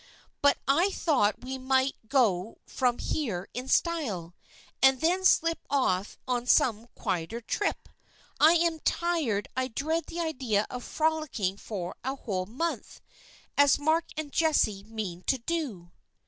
But I thought we might go from here in style, and then slip off on some quieter trip. I am so tired I dread the idea of frolicking for a whole month, as Mark and Jessie mean to do."